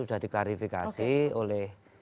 sudah diklarifikasi oleh